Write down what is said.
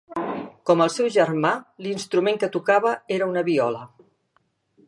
Com el seu germà, l'instrument que tocava era una viola.